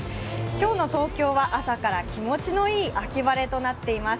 今日の東京は朝から気持ちのいい秋晴れとなっています。